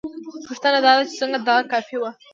پوښتنه دا ده چې څنګه دا کافي وه؟